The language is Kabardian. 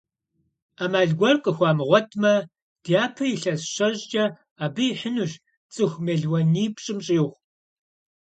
Ӏэмал гуэр къыхуамыгъуэтмэ, дяпэ илъэс щэщӀкӀэ абы ихьынущ цӏыху мелуанипщӀым щӀигъу.